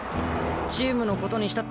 チームのことにしたってよ